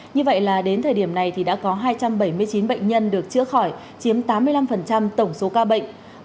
như vậy là đến thời điểm này thì đã có hai trăm bảy mươi chín bệnh nhân được chữa khỏi chiếm tám mươi năm tổng số ca bệnh